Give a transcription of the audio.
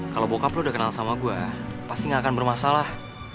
kalau bokap lo udah kenal sama gue pasti gak akan bermasalah